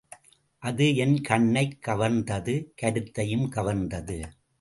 அது என் கண்ணைக் கவர்ந்தது கருத்தையும் கவர்ந்தது.